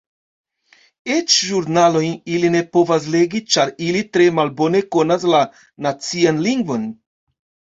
Eĉ ĵurnalojn ili ne povas legi ĉar ili tre malbone konas la nacian lingvon.